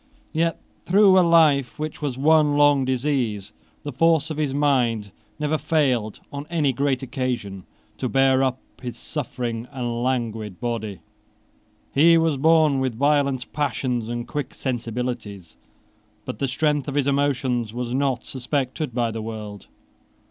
Yet, through a life which was one long disease, the force of his mind never failed, on any great occasion, to bear up his suffering and languid body. He was born with violent passions and quick sensibilities: but the strength of his emotions was not suspected by the world.